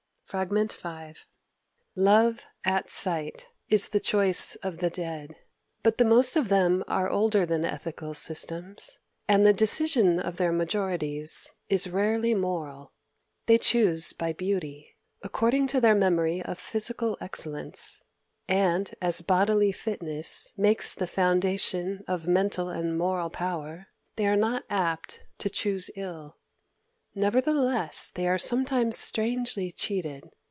Fr. V "Love at sight is the choice of the dead. But the most of them are older than ethical systems; and the decision of their majorities is rarely moral. They choose by beauty, according to their memory of physical excellence; and as bodily fitness makes the foundation of mental and of moral power, they are not apt to choose ill. Nevertheless they are sometimes strangely cheated.